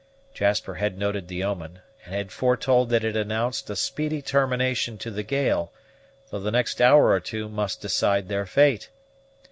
Jasper had noted the omen, and had foretold that it announced a speedy termination to the gale, though the next hour or two must decide their fate.